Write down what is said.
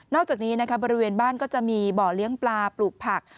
อกจากนี้บริเวณบ้านก็จะมีบ่อเลี้ยงปลาปลูกผัก